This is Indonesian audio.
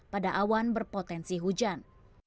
pada awan berpotensi hujan